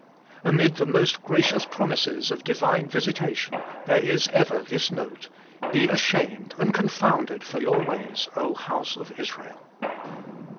Amid the most gracious promises of Divine visitation there is ever this note: " Be ashamed and confounded for your ways, House of Israel."